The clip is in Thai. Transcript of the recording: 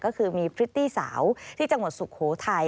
ก็คือมีพริตตี้สาวที่จังหวัดสุโขทัย